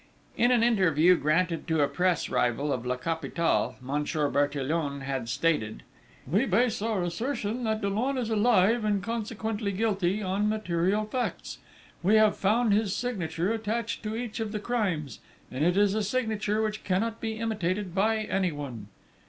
In an interview granted to a press rival of La Capitale Monsieur Bertillon had stated: "We base our assertion that Dollon is alive, and consequently guilty, on material facts: we have found his signature attached to each of the crimes, and it is a signature which cannot be imitated by anyone...."